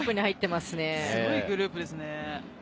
すごいグループですね。